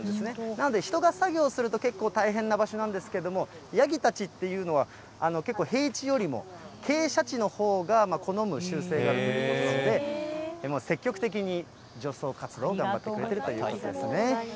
なので、人が作業すると結構大変な場所なんですけども、ヤギたちっていうのは、結構、平地よりも、傾斜地のほうが好む習性があるということなので、積極的に除草活動を頑張ってくれてるということですね。